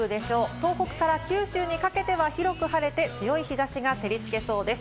東北から九州にかけては広く晴れて強い日差しが照りつけそうです。